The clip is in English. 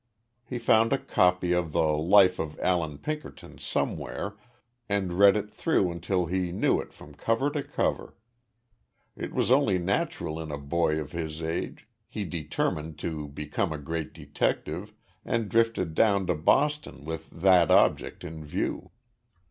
He found a copy of the life of Alan Pinkerton somewhere and read it through until he knew it from cover to cover. As was only natural in a boy of his age, he determined to become a great detective, and drifted down to Boston with that object in view.